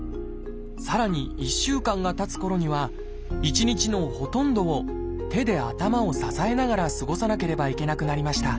さらに１週間がたつころには１日のほとんどを手で頭を支えながら過ごさなければいけなくなりました